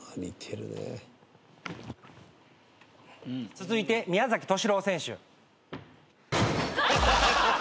続いて宮敏郎選手。